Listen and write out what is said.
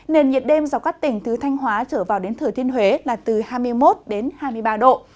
nền nhiệt đêm dọc các tỉnh từ thanh hóa trở vào đến thừa thiên huế là từ hai mươi một hai mươi ba độ